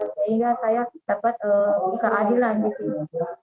sehingga saya dapat keadilan disini